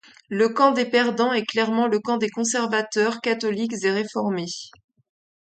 Le camp des perdants est clairement le camp des conservateurs, catholiques et réformés.